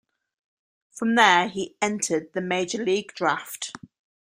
From there he entered the major league draft.